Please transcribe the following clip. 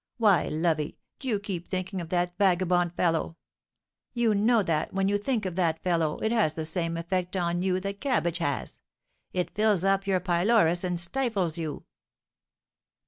Why, lovey, do you keep thinking of that vagabond fellow? You know that, when you think of that fellow, it has the same effect on you that cabbage has, it fills up your pylorus and stifles you."